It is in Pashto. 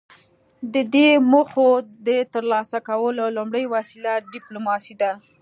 د دې موخو د ترلاسه کولو لومړۍ وسیله ډیپلوماسي ده